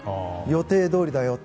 予定どおりだよ